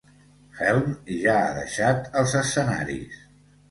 Helm ja ha deixat els escenaris.